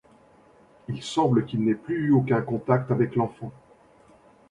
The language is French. Il semble qu’il n’ait plus eu aucun contact avec l’enfant.